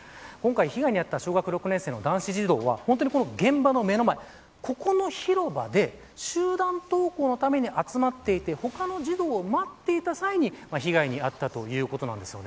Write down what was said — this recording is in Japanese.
今回被害に遭った小学６年生の男子児童は、現場の目の前ここの広場で集団登校のために集まっていて他の児童を待っていた際に被害に遭ったということなんです。